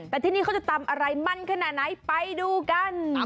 แต่ที่นี่เขาจะตำอะไรมั่นขนาดไหนไปดูกัน